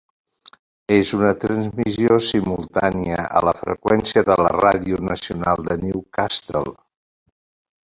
És una transmissió simultània a la freqüència de la radio nacional de Newcastle.